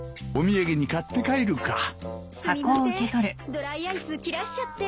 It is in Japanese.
ドライアイス切らしちゃって。